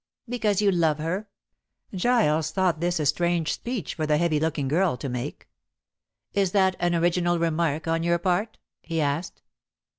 "Because you love her." Giles thought this a strange speech for the heavy looking girl to make. "Is that an original remark on your part?" he asked.